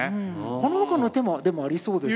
この他の手もでもありそうですよね。